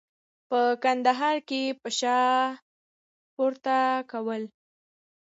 په کندهار کې پشه پورته کول.